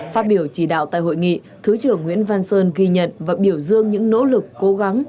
phát biểu chỉ đạo tại hội nghị thứ trưởng nguyễn văn sơn ghi nhận và biểu dương những nỗ lực cố gắng